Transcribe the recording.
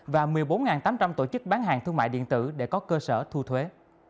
và một mươi bốn tám trăm linh tổ chức bán hàng thương mại điện tử để có cơ sở thu thuế